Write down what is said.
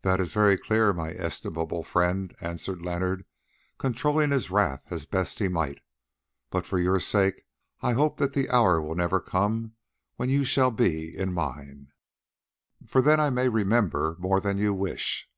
"That is very clear, my estimable friend," answered Leonard, controlling his wrath as best he might. "But for your sake I hope that the hour will never come when you shall be in mine, for then I may remember more than you wish.